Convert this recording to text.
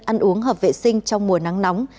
ăn uống hợp vệ sinh trong mùa nắng nóng